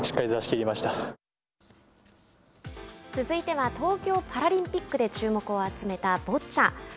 続いては東京パラリンピックで注目を集めたボッチャ。